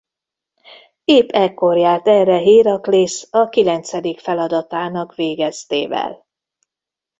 Épp ekkor járt erre Héraklész a kilencedik feladatának végeztével.